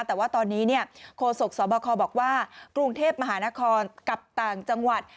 แต่ว่าตอนนี้โคศกสบคบอกว่ากรุงเทพมหานครกับต่างจังหวัด